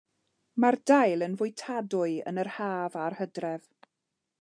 Mae'r dail yn fwytadwy yn yr haf a'r hydref.